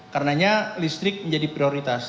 karenanya listrik menjadi prioritas